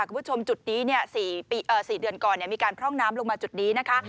คุณผู้ชมจุดนี้๔เดือนก่อนมีการพร่องน้ำลงมาจุดนี้นะคะ